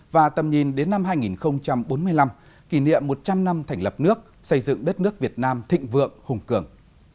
và tầm nhìn đến năm hai nghìn bốn mươi năm kỷ niệm một trăm linh năm thành lập nước xây dựng đất nước việt nam thịnh vượng hùng cường